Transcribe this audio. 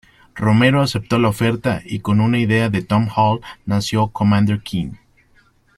Romero aceptó la oferta y con una idea de Tom Hall nació "Commander Keen".